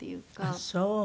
あっそう。